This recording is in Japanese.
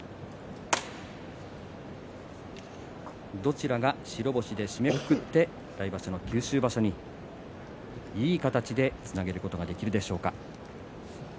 どちらが白星で締めくくって来場所の九州場所にいい形でつなげることができるでしょうか。